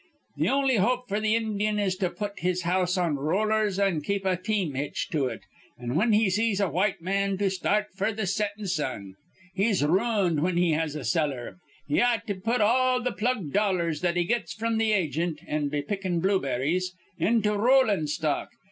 "Th' on'y hope f'r th Indyun is to put his house on rollers, an' keep a team hitched to it, an', whin he sees a white man, to start f'r th' settin' sun. He's rooned whin he has a cellar. He ought to put all th' plugged dollars that he gets from th' agent an' be pickin' blueberries into rowlin' stock.